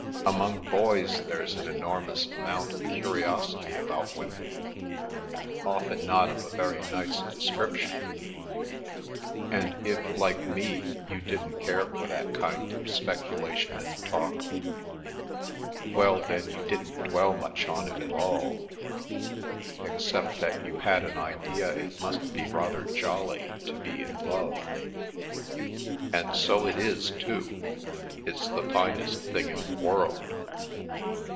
Among boys there's an enormous amount of curiosity about women, often not of a very nice description. And if, like me, you didn't care for that kind of speculation and talk — well, then you didn't dwell much on it at all, except that you had an idea it must be rather jolly to be in love. And so it is, too. It's the finest thing in the world.